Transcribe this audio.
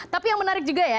tapi yang menarik juga ya